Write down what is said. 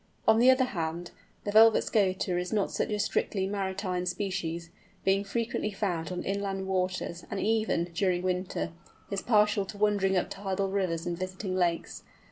On the other hand, the Velvet Scoter is not such a strictly maritime species, being frequently found on inland waters, and even, during winter, is partial to wandering up tidal rivers and visiting lakes.